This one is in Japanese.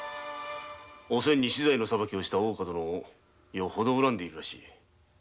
おせんに死罪の裁きをした大岡殿を恨んでいるらしい。